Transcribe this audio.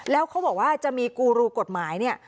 แล้วเขาบอกว่าจะมีกูรูกฎหมายเนี่ย